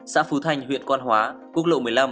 xã phú thanh huyện quan hóa quốc lộ một mươi năm